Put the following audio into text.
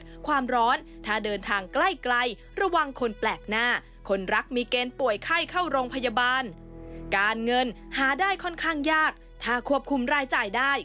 การเงินหาได้ค่อนข้างยากถ้าควบคุมรายจ่ายได้